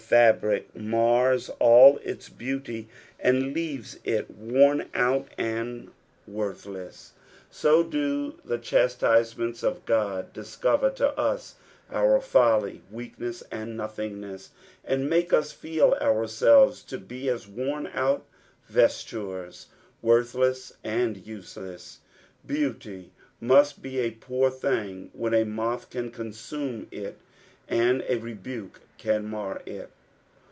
343 fabric, mars nit ita beaoty, and leaves it worn out and worthless, so do the chitsCisein^Dts of Ood discover to us our folly, weakness, and nothingness, and make an feel ouiBelves to be as woin out vestures, worthless and iiseleBS. Beauty BMut be a poor thing when a moth can consume it and a rebuke can mar it.